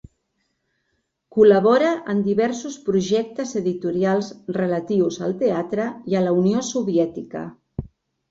Col·labora en diversos projectes editorials relatius al teatre i a la Unió Soviètica.